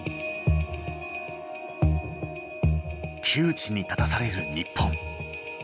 窮地に立たされる日本。